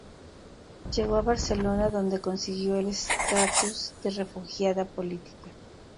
Llegó a Barcelona, donde consiguió el estatus de refugiada política.